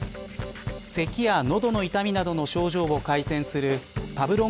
せきや喉の痛みなどの症状を改善するパブロン